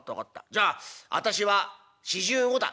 じゃあ私は４５だ」。